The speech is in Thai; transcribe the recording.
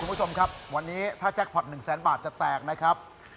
คุณผู้ชมครับวันนี้ถ้าแจ็คพอร์ต๑แสนบาทจะแตกนะครับ